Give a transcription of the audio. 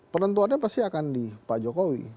penentuannya pasti akan di pak jokowi